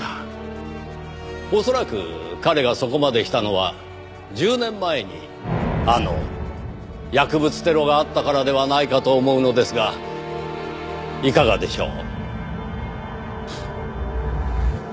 恐らく彼がそこまでしたのは１０年前にあの薬物テロがあったからではないかと思うのですがいかがでしょう？